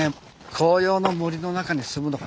紅葉の森の中に進むのかな？